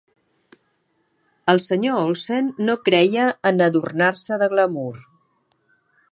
El Sr. Olsen no creia en adornar-se de glamur.